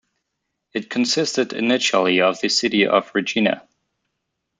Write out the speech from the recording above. It consisted initially of the city of Regina.